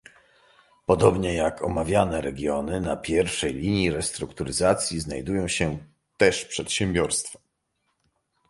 Podobnie jak omawiane regiony, na pierwszej linii restrukturyzacji znajdują się też przedsiębiorstwa